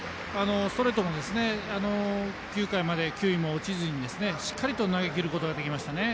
ストレートも９回まで球威も落ちずにしっかりと投げきることができましたね。